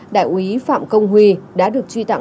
đại quý phạm công huy đã được truy tặng